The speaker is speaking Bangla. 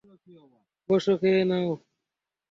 বসো খেয়ে নাও।